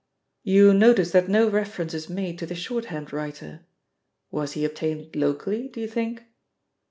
"You notice that no reference is made to the shorthand writer. Was he obtained locally, do you think?"